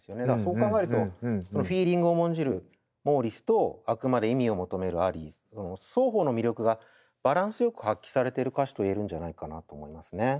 だからそう考えるとフィーリングを重んじるモーリスとあくまで意味を求めるアリーの双方の魅力がバランスよく発揮されてる歌詞と言えるんじゃないかなと思いますね。